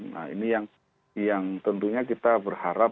nah ini yang tentunya kita berharap